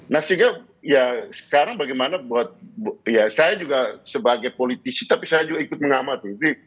nah sehingga ya sekarang bagaimana buat ya saya juga sebagai politisi tapi saya juga ikut mengamati